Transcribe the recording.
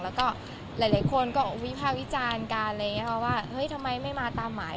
แล้วก็หลายคนก็วิภาควิจารณ์กันอะไรอย่างนี้ค่ะว่าเฮ้ยทำไมไม่มาตามหมาย